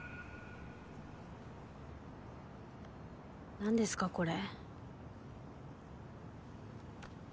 何ですかこれ。